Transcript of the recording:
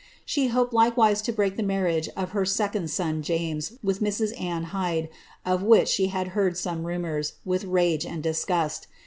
She hoped likewise to break he marriage of her second son James, with Mrs. Anne Hyde, of which he had heard some rumours, with rage and disgust.